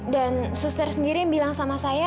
dan suster sendiri yang bilang sama saya